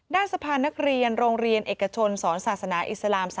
สะพานนักเรียนโรงเรียนเอกชนสอนศาสนาอิสลาม๓